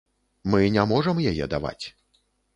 Мы не можам яе даваць.